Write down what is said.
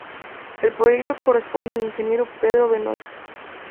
El proyecto corresponde al ingeniero Pedro Benoit.